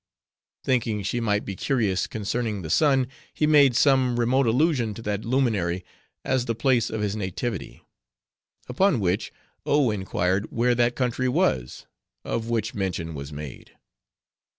Thinking she might be curious concerning the sun, he made some remote allusion to that luminary as the place of his nativity. Upon which, O inquired where that country was, of which mention was made.